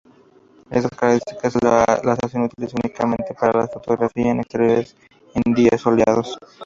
Estas características las hacen útiles únicamente para la fotografía en exteriores en días soleados.